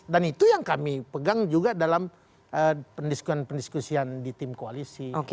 dan itu yang kami pegang juga dalam pendiskusian pendiskusian di tim koalisi